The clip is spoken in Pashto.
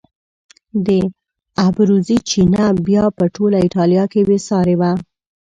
د ابروزي چینه بیا په ټوله ایټالیا کې بې سارې وه.